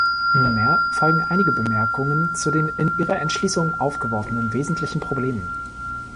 Nunmehr folgen einige Bemerkungen zu den in Ihrer Entschließung aufgeworfenen wesentlichen Problemen.